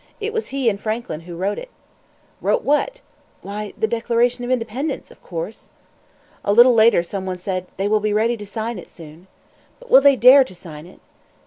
It was he and Franklin who wrote it." "Wrote what?" "Why, the Declaration of Independence, of course." A little later some one said: "They will be ready to sign it soon." "But will they dare to sign it?"